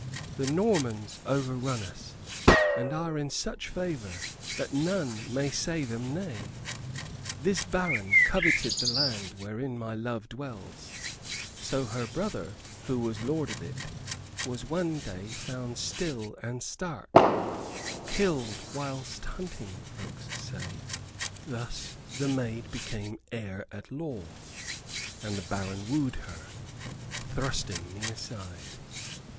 The Normans overrun us, and are in such favor that none may say them nay. This baron coveted the land wherein my love dwells; so her brother, who was lord of it, was one day found still and stark killed whilst hunting, folks say. Thus the maid became heir at law, and the baron wooed her, thrusting me aside."